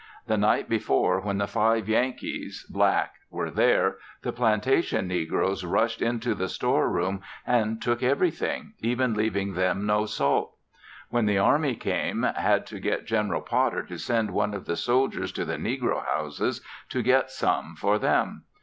The night before when the five Yankees (black) were there, the plantation negroes rushed into the store room and took everything, even leaving them no salt. When the army came, had to get General Potter to send one of the soldiers to the negro houses to get some for them.